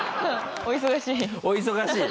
お忙しい。